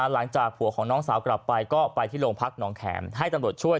หลังจากผัวของน้องสาวกลับไปก็ไปที่โรงพักหนองแขมให้ตำรวจช่วย